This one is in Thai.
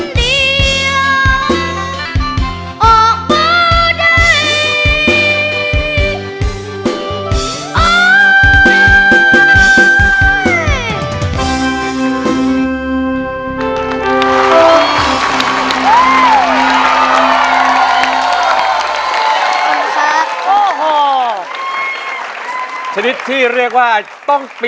เป็นจังใดเนาะความหัง